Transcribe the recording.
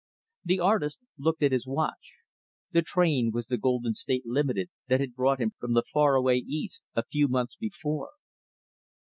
The artist looked at his watch. The train was the Golden State Limited that had brought him from the far away East, a few months before.